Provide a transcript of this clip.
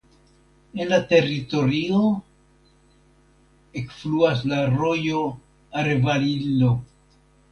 En la teritorio ekfluas la rojo Arevalillo.